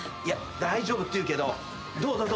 いや大丈夫っていうけどどう？